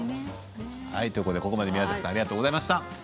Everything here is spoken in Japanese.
ここまで宮崎さんありがとうございました。